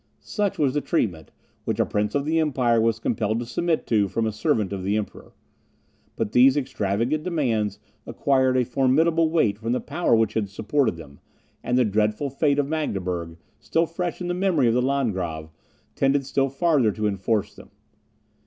Such was the treatment which a prince of the Empire was compelled to submit to from a servant of the Emperor. But these extravagant demands acquired a formidable weight from the power which supported them; and the dreadful fate of Magdeburg, still fresh in the memory of the Landgrave, tended still farther to enforce them.